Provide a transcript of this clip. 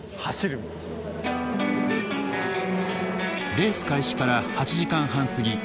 レース開始から８時間半すぎ